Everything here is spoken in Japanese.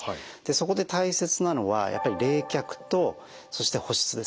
そこで大切なのはやっぱり冷却とそして保湿ですね。